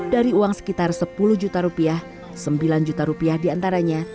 dari uang sekitar sepuluh juta rupiah sembilan juta rupiah diantaranya